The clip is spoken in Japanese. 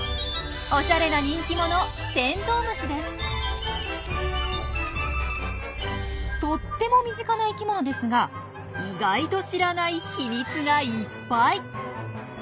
おしゃれな人気者とっても身近な生きものですが意外と知らない秘密がいっぱい！